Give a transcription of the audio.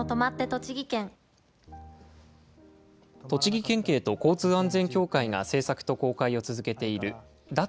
栃木県警と交通安全協会が制作と公開を続けている脱！